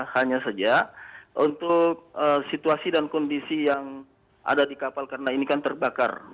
hanya saja untuk situasi dan kondisi yang ada di kapal karena ini kan terbakar